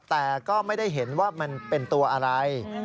แต่ก็ไม่ได้เห็นว่ามันเป็นตัวอะไร